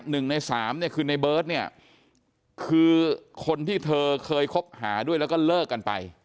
หนึ่งในสามเนี่ยคือในเบิร์ตเนี่ยคือคนที่เธอเคยคบหาด้วยแล้วก็เลิกกันไป